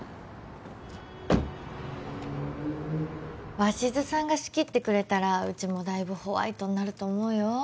鷲津さんが仕切ってくれたらうちもだいぶホワイトになると思うよ。